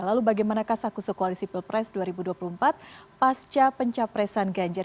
lalu bagaimana kasakusuk koalisi pilpres dua ribu dua puluh empat pasca pencapresan ganjar